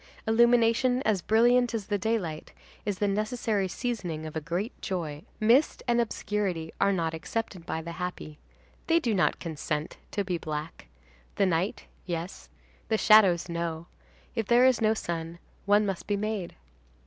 Illumination as brilliant as the daylight is the necessary seasoning of a great joy. Mist and obscurity are not accepted by the happy. They do not consent to be black. The night, yes; the shadows, no. If there is no sun, one must be made.